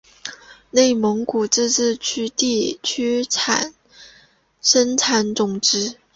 内蒙古自治区地区生产总值